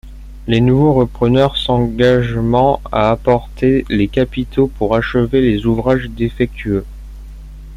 Les nouveaux repreneurs s'engagement à apporter les capitaux pour achever les ouvrages défectueux.